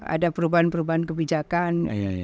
ada perubahan perubahan kebijakan